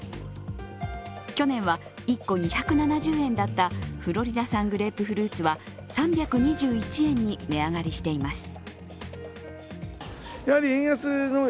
去年は１個２７０円だったフロリダ産グレープフルーツは３２１円に値上がりしています。